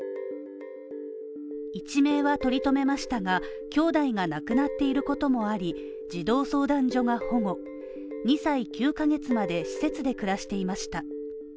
一命は取り留めましたがきょうだいが亡くなっていることもあり児童相談所が保護、２歳９カ月まで施設で暮らしていました。